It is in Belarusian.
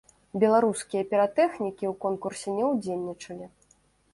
Беларускія піратэхнікі ў конкурсе не ўдзельнічалі.